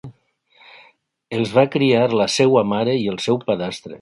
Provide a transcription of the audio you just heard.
Els va criar la seva mare i el seu padrastre.